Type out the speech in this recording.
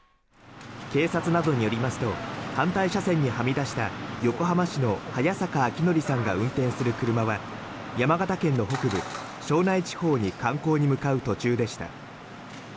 警察などによりますと反対車線にはみ出した横浜市の早坂覚啓さんが運転する車は山形県の北部、庄内地方に観光に向かう途中でした。